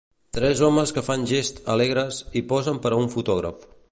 Tres homes que fan gests alegres i posen per a un fotògraf.